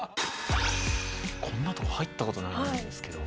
こんなとこ入った事ないんですけど。